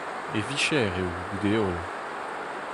E vicher eo, goude holl.